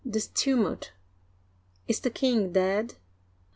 this tumult ! Is the king dead